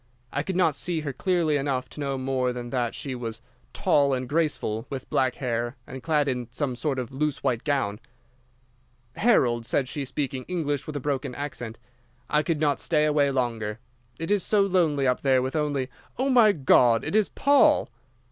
I could not see her clearly enough to know more than that she was tall and graceful, with black hair, and clad in some sort of loose white gown. "'Harold,' said she, speaking English with a broken accent. 'I could not stay away longer. It is so lonely up there with only—Oh, my God, it is Paul!